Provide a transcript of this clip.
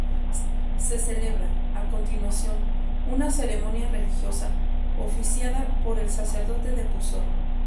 Se celebra, a continuación, una ceremonia religiosa, oficiada por el sacerdote de Puzol.